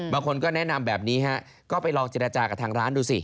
บางคนก็แนะนำแบบนี้ฮะก็ไปลองเจรจากับทางร้านดูสิ